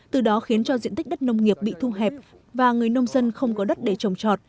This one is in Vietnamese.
từ đó khiến cho diện tích đất nông nghiệp bị thu hẹp và người nông dân không có đất để trồng trọt